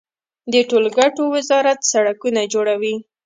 د ټولګټو وزارت سړکونه جوړوي